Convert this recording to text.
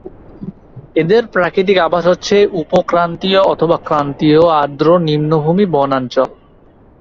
এদের প্রাকৃতিক আবাস হচ্ছে উপ-ক্রান্তীয় অথবা ক্রান্তীয় আর্দ্র নিম্নভূমি বনাঞ্চল।